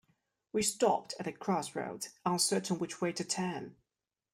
We stopped at the crossroads, uncertain which way to turn